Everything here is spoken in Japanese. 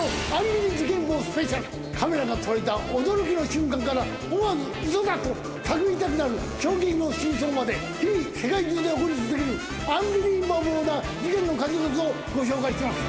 カメラが捉えた驚きの瞬間から思わず嘘だと叫びたくなる衝撃の真相まで日々世界中で起こり続けるアンビリバボーな事件の数々をご紹介します。